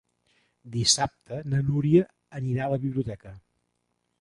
Dissabte na Núria anirà a la biblioteca.